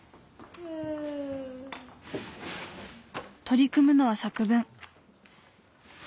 取り組むのは作文。